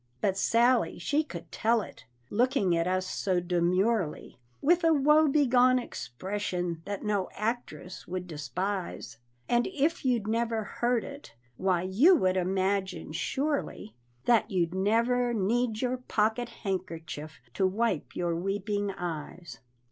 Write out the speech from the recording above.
But Sally she could tell it, looking at us so demurely, With a woe begone expression that no actress would despise; And if you'd never heard it, why you would imagine surely That you'd need your pocket handkerchief to wipe your weeping eyes.